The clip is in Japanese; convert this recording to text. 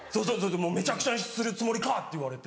「めちゃくちゃにするつもりか！」って言われて。